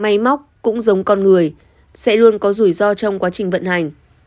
sống giống con người sẽ luôn có rủi ro trong quá trình vận hành